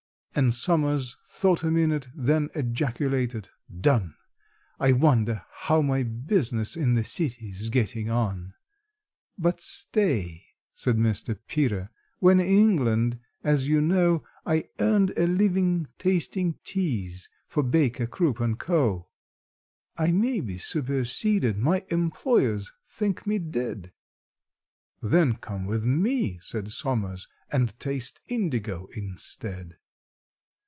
And SOMERS thought a minute, then ejaculated, "Done! I wonder how my business in the City's getting on?" "But stay," said Mr. PETER: "when in England, as you know, I earned a living tasting teas for BAKER, CROOP, AND CO., I may be superseded—my employers think me dead!" "Then come with me," said SOMERS, "and taste indigo instead."